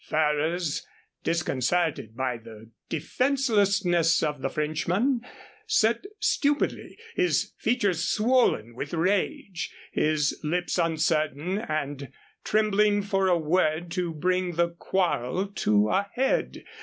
Ferrers, disconcerted by the defenselessness of the Frenchman, sat stupidly, his features swollen with rage, his lips uncertain and trembling for a word to bring the quarrel to a head.